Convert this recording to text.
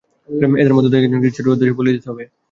এদের মধ্য থেকেই একজনকে ঈশ্বরের উদ্দেশ্যে বলী দিতে হবে!